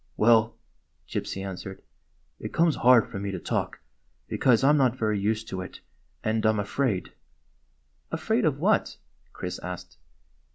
"Well," Gypsy answered, "it comes hard for me to talk, because I 'm not very used to it, and I 'm afraid." "Afraid of what?" Chris asked.